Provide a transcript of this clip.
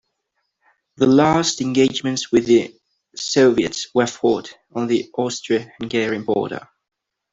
The last engagements with the Soviets were fought on the Austro-Hungarian border.